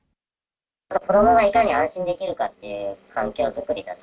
子どもがいかに安心できるかっていう環境作りだと。